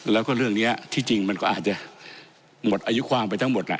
แล้วก็เรื่องนี้ที่จริงมันก็อาจจะหมดอายุความไปทั้งหมด